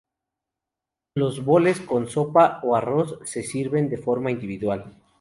Los boles con sopa o arroz se sirven de forma individual.